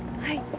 はい。